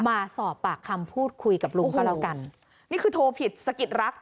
มาสอบปากคำพูดคุยกับลุงก็แล้วกันนี่คือโทรผิดสะกิดรัก